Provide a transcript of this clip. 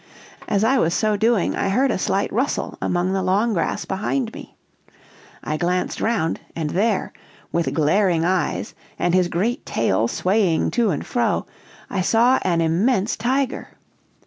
As I was so doing, I heard a slight rustle among the long grass behind me. I glanced round, and there, with glaring eyes and his great tail swaying to and fro, I saw an immense tiger.